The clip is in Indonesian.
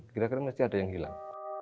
kira kira masih ada yang hilang